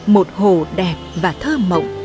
một hồ đẹp và thơ mộng